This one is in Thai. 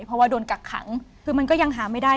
เพราะว่าโดนกักขังคือมันก็ยังหาไม่ได้